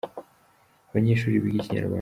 abanyeshuri biga ikinyarwanda